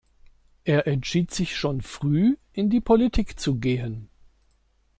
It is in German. Er entschied sich schon früh, in die Politik zu gehen.